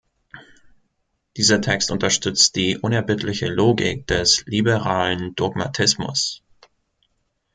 Dieser Text unterstützt die unerbittliche Logik des liberalen Dogmatismus.